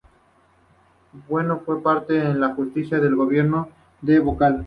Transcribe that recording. Bueno fue parte de la junta de Gobierno como vocal.